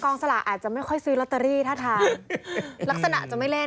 กองสลากอาจจะไม่ค่อยซื้อล็อตเตอรี่ถ้าถามลักษณะจะไม่